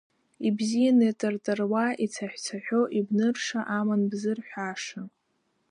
Ибзиан итар-таруа, ицаҳә-цаҳәо ибнырша, аман бзырҳәаша!